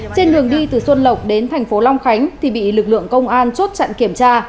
trên đường đi từ xuân lộc đến thành phố long khánh thì bị lực lượng công an chốt chặn kiểm tra